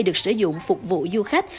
được sử dụng phục vụ du khách